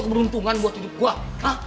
keberuntungan buat hidup gue